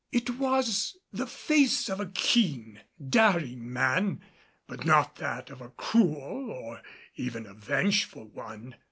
It was the face of a keen, daring man, but not that of a cruel or even a vengeful one.